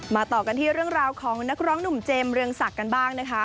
ต่อกันที่เรื่องราวของนักร้องหนุ่มเจมส์เรืองศักดิ์กันบ้างนะคะ